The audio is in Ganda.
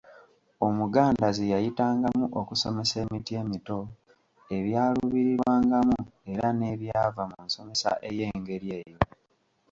Omuganda ze yayitangamu okusomesa emiti emito, ebyaluubirirwangamu era n’ebyava mu nsomesa ey’engeri eyo.